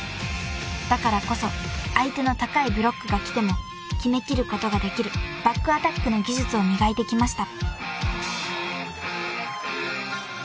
［だからこそ相手の高いブロックがきても決めきることができるバックアタックの技術を磨いてきました］